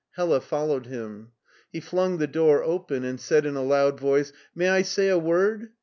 Hella followed him. He flung the door open and said in a loud voice, "May I say a word?